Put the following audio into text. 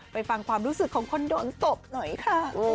ฟังความรู้สึกของคนโดนตบหน่อยค่ะ